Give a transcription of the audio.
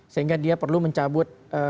sehingga dia perlu mencabut